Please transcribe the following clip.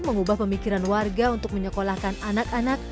mengubah pemikiran warga untuk menyekolahkan anak anak